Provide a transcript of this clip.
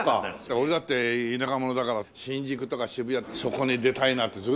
俺だって田舎者だから新宿とか渋谷とかそこに出たいなってずっと思ってたもんな。